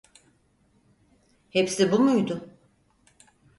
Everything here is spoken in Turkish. Hepsi bu muydu?